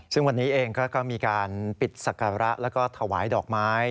ซึ่งวันนี้เองก็มีการปิดศักระแล้วก็ถวายดอกไม้